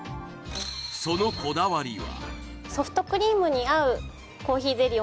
そのこだわりは？